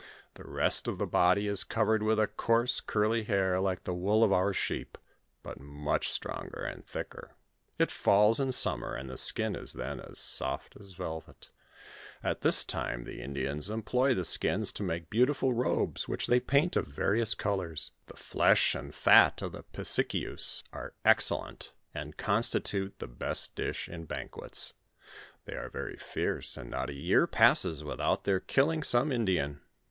The rest of the body is covered with a coarse curly hair like the wool of our sheep, but much stronger and thicker. It falls in summer, and the skin is then as soft as velvet. At this time the Indians employ the skins to make beautiful robes, which they paint of various colors ; the flesh and fat of the Fisikious are excel lent, and constitute the best dish in banquets. They are very flerce, and not a year passes without their killing some Indian.